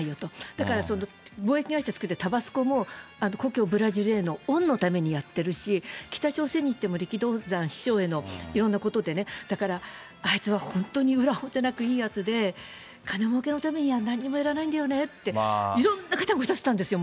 だからその貿易会社作って、タバスコも、故郷ブラジルの恩のためにやってるし、北朝鮮に行っても、力道山、師匠へのいろんなことでね、だから、あいつは本当に裏表なくいいやつで、金もうけのためにはなんにもやんないんだよねって、いろんな方がおっしゃってたんですよ。